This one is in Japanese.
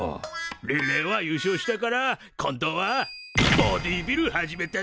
リレーは優勝したから今度はボディービル始めたんだ。